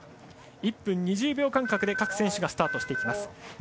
１分２０秒間隔で各選手がスタートしていきます。